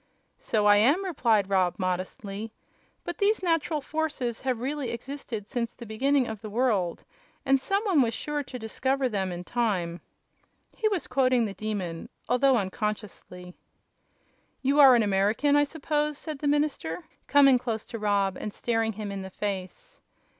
"So I am," replied Rob, modestly; "but these natural forces have really existed since the beginning of the world, and some one was sure to discover them in time." He was quoting the Demon, although unconsciously. "You are an American, I suppose," said the minister, coming close to Rob and staring him in the face.